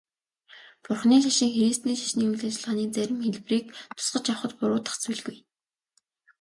Бурханы шашин христийн шашны үйл ажиллагааны зарим хэлбэрийг тусгаж авахад буруудах зүйлгүй.